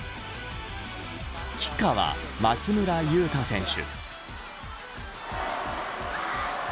キッカーは松村優太選手。